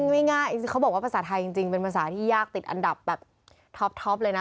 ง่ายเขาบอกว่าภาษาไทยจริงเป็นภาษาที่ยากติดอันดับแบบท็อปเลยนะ